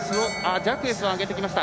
ジャクエスが上げてきました。